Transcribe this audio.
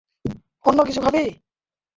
অন্য কিছু খাবি?